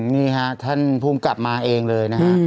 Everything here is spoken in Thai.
นี่ฮะท่านภูมิกลับมาเองเลยนะฮะ